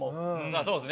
そうですね。